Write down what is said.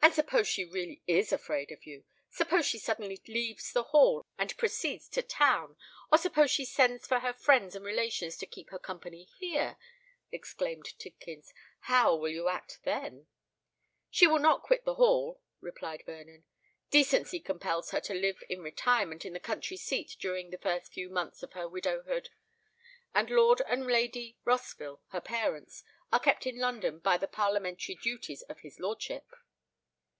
"And suppose she really is afraid of you,—suppose she suddenly leaves the Hall, and proceeds to town,—or suppose she sends for her friends and relations to keep her company here," exclaimed Tidkins; "how will you act then?" "She will not quit the Hall," replied Vernon. "Decency compels her to live in retirement at the country seat during the first few months of her widowhood; and Lord and Lady Rossville, her parents, are kept in London by the parliamentary duties of his lordship."